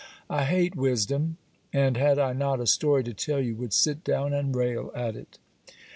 I hate wisdom; and, had I not a story to tell you, would sit down and rail at it.